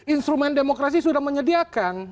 instrumen demokrasi sudah menyediakan